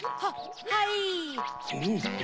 はい！